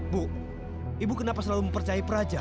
bu ibu kenapa selalu mempercayai peraja